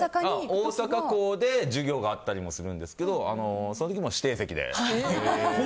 大阪校で授業があったりもするんですけどそういう時にも指定席で。